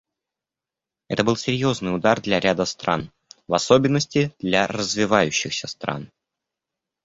Это был серьезный удар для ряда стран, в особенности для развивающихся стран.